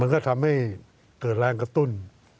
ก็ทำให้เกิดแรงกระตุ้น